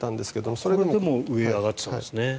これでも上に上がってたんですね。